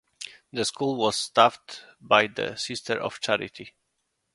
The school was staffed by the Sister of Charity.